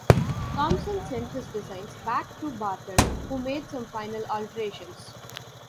Thomson sent his designs back to Barton, who made some final alterations.